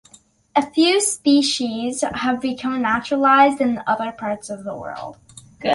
A few species have become naturalized in other parts of the world.